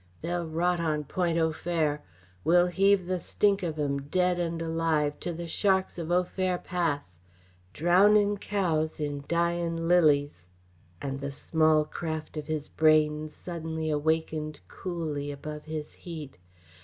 "They'll rot on Point Au Fer! We'll heave the stink of them, dead and alive, to the sharks of Au Fer Pass! Drownin' cows in dyin' lilies " And the small craft of his brain suddenly awakened coolly above his heat.